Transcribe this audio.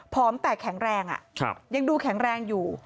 แตกแข็งแรงยังดูแข็งแรงอยู่